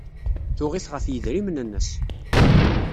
Tuɣ-it ɣef yedrimen-nnes.